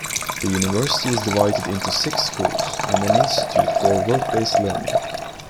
The university is divided into six schools and an Institute for Work Based Learning.